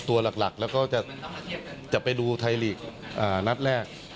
ตัวหลักแล้วก็จะไปดูไทยลีกนัดแรก